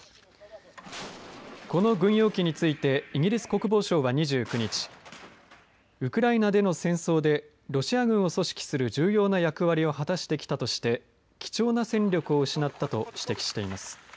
この軍用機についてイギリス国防省は２９日ウクライナでの戦争でロシア軍を組織する重要な役割を果たしてきたとして貴重な戦力を失ったと指摘しています。